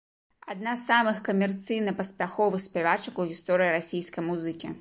Адна з самых камерцыйна паспяховых спявачак у гісторыі расійскай музыкі.